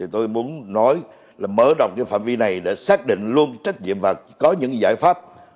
tôi muốn nói là mở rộng phạm vi này để xác định luôn trách nhiệm và có những giải pháp